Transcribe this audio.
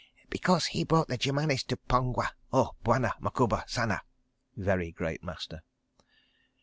"Because he brought the Germanis to Pongwa, oh, Bwana Macouba Sana (Very Great Master)."